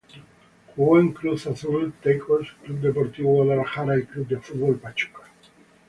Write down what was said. Jugó en Cruz Azul, Tecos, Club Deportivo Guadalajara y Club de Fútbol Pachuca.